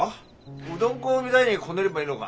うどん粉みたいにこねればいいのが？